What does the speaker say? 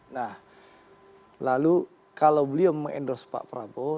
nah lalu kalau beliau mengendorse pak prabowo